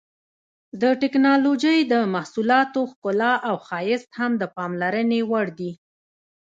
د ټېکنالوجۍ د محصولاتو ښکلا او ښایست هم د پاملرنې وړ دي.